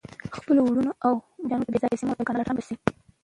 خپلو ورونو او بچیانو ته بیځایه پیسي مه ورکوئ، کنه لټان به شي